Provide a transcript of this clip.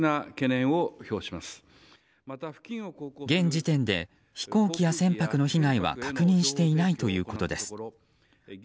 現時点で飛行機や船舶の被害は確認していないということです。